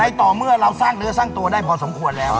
ต่อเมื่อเราสร้างเนื้อสร้างตัวได้พอสมควรแล้ว